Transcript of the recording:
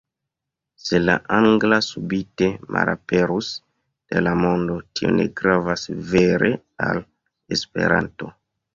Se la angla subite malaperus de la mondo, tio ne gravas vere al Esperanto.